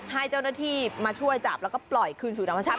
ให้เจ้าหน้าที่มาช่วยจับแล้วก็ปล่อยคืนสู่ธรรมชาติ